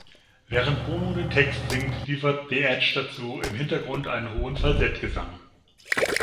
Während Bono den Text singt, liefert The Edge dazu im Hintergrund einen hohen Falsettgesang.